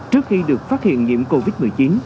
trước khi được phát hiện nhiễm covid một mươi chín